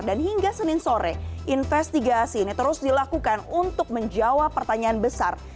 dan hingga senin sore investigasi ini terus dilakukan untuk menjawab pertanyaan besar